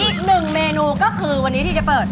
อีกหนึ่งเมนูก็คือวันนี้ที่จะเปิด